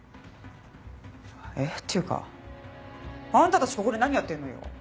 えっっていうかあんたたちここで何やってんのよ？